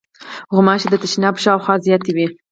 غوماشې د تشناب شاوخوا زیاتې وي.